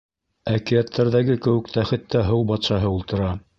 Әкиәттәрҙәге кеүек тәхеттә һыу батшаһы ултыра.